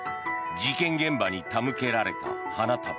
事件現場に手向けられた花束。